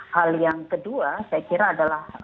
hal yang kedua saya kira adalah